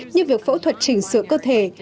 như việc phẫu thuật chỉnh sửa cơ thể